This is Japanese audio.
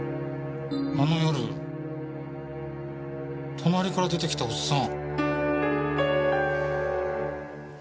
隣から出てきたおっさん。